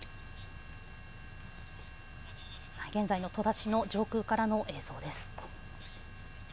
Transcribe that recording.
現在の戸田市の上空からの映像です。